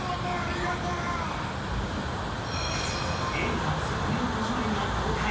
映画「すずめの戸締まり」が公開。